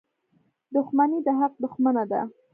• دښمني د حق دښمنه ده.